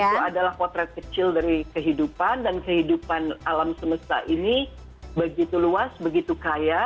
karena film itu adalah potret kecil dari kehidupan dan kehidupan alam semesta ini begitu luas begitu kaya